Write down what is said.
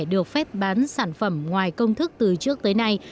được phép bán sản phẩm ngoài công thức từ trước tới nay